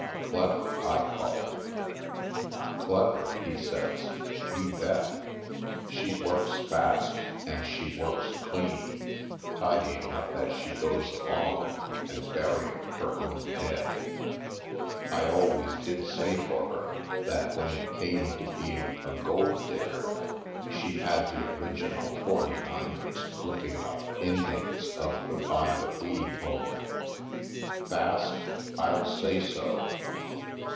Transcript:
Clever, I call it." "Clever?" he says, "you bet! She works fast and she works clean, tidying up as she goes along and burying her own dead. I always did say for her that when it came to being a gold digger she had the original Forty niners looking like inmates of the Bide a Wee Home. Fast? I'll say so!"